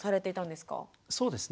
そうですね